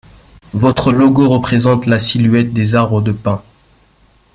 Votre logo représente la silhouette des arbres de pin.